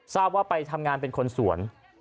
ทราบว่าไปทำงานเป็นคนสวน